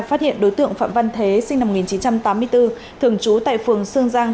phát hiện đối tượng phạm văn thế sinh năm một nghìn chín trăm tám mươi bốn thường trú tại phường sương giang